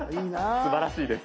すばらしいです。